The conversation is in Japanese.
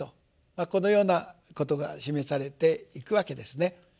このようなことが示されていくわけですね。